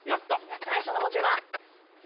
最初の文字は。